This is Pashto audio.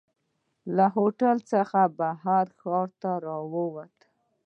له هوټل څخه بهر ښار ته ووتلو.